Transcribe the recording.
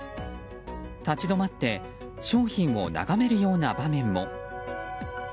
立ち止まって商品を眺めるような場面も。